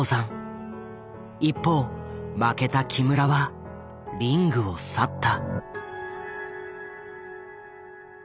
一方負けた木村はリングを去った。